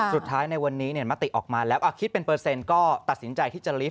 ในวันนี้มติออกมาแล้วคิดเป็นเปอร์เซ็นต์ก็ตัดสินใจที่จะลิฟต